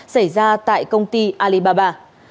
xảy ra tại công ty alibaba